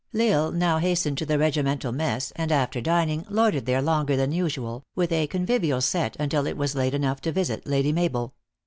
L Isle now hastened to the regimental mess, and, after dining, loitered there longer than usual, with a convivial set, until it was late enough to visit Lady Mabel.